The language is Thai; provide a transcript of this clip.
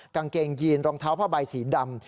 กางเกงยีนรองเท้าผ้าใบสีดำ